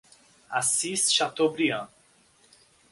Assis Chateaubriand